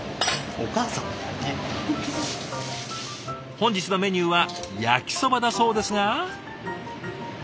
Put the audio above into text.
本日のメニューは焼きそばだそうですが。